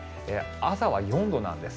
朝は４度なんです。